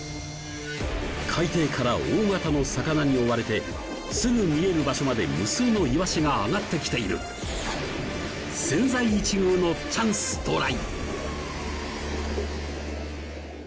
海底から大型の魚に追われてすぐ見える場所まで無数のイワシが上がってきている千載一遇のチャンス到来！